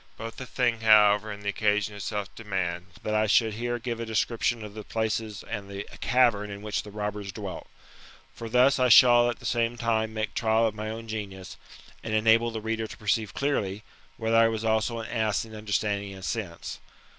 Both the thing, however, and the occasion itself demand, that I should here give a description of the places and the cavern in which the robbers dwelt For thus I shall at the same time make trial of my own genius, and enable the reader to perceive clearly, whether I was also an ass in understanding and sense.